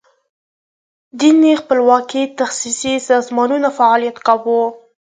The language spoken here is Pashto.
ځینې خپلواکي تخصصي سازمانونو فعالیت کاو.